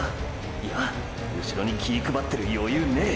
いやうしろに気ィ配ってる余裕ねェ！！